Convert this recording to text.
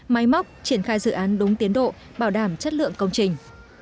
máy móc triển khai dự án đúng tiến độ bảo đảm chất lượng công trình